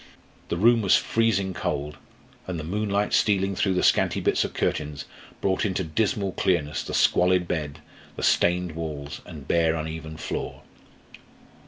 The room was freezing cold, and the moonlight stealing through the scanty bits of curtains brought into dismal clearness the squalid bed, the stained walls, and bare uneven floor.